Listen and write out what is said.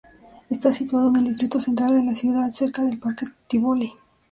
Está situado en el distrito central de la ciudad, cerca del parque Tivoli.